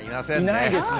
いないですね。